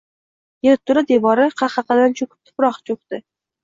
Yerto‘la devori qahqahadan cho‘chib tuproq to‘kdi.